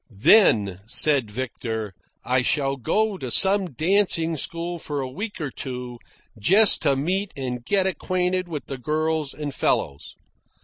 "Then," said Victor, "I shall go to some dancing school for a week or two, just to meet and get acquainted with the girls and fellows.